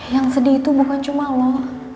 yang sedih itu bukan cuma lo